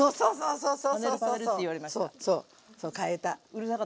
そうよそう。